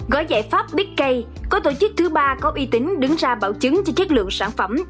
gói giải pháp bica có tổ chức thứ ba có y tính đứng ra bảo chứng cho chất lượng sản phẩm